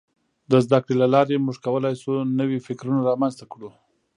د زدهکړې له لارې موږ کولای شو نوي فکرونه رامنځته کړو.